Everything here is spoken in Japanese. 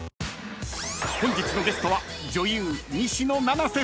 ［本日のゲストは女優］